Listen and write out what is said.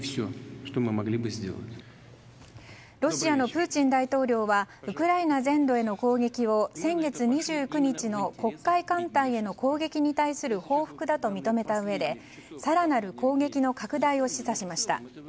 ロシアのプーチン大統領はウクライナ全土への攻撃を先月２９日の黒海艦隊への攻撃に対する報復だと認めたうえで更なる攻撃の拡大を示唆しました。